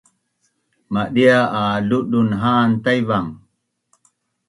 Madia a ludun ha’an Taivang